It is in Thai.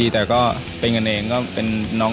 แต่ก็เป็นกันเอง